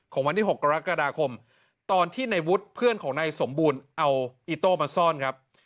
วันที่๖กรกฎาคมตอนที่ในวุฒิเพื่อนของนายสมบูรณ์เอาอิโต้มาซ่อนครับ